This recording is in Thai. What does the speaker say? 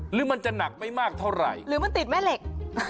หรือมันจะหนักไม่มากเท่าไหร่หรือมันติดแม่เหล็ก